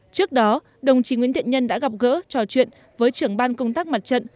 trước đó đồng chí nguyễn thiện nhân đã gặp gỡ trò chuyện với trưởng ban công tác mặt trận